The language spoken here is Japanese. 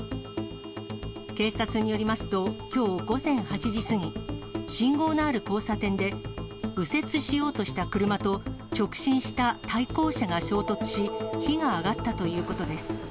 警察によりますと、きょう午前８時過ぎ、信号のある交差点で、右折しようとした車と直進した対向車が衝突し、火が上がったということです。